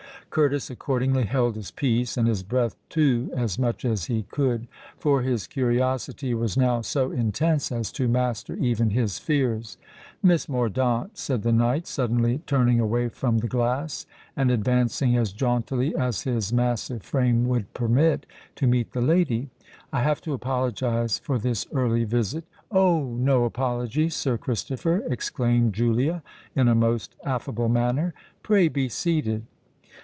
Curtis accordingly held his peace, and his breath too as much as he could; for his curiosity was now so intense as to master even his fears. "Miss Mordaunt," said the knight, suddenly turning away from the glass and advancing as jauntily as his massive frame would permit, to meet the lady, "I have to apologise for this early visit——" "Oh! no apology, Sir Christopher," exclaimed Julia, in a most affable manner. "Pray be seated."